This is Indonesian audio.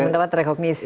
yang mendapat rekomisi